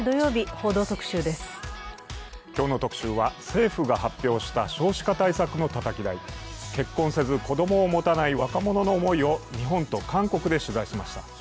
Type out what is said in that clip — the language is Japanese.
今日の特集は、政府が発表した少子化対策のたたき台、結婚せず子供を持たない若者の思いを日本と韓国で取材しました。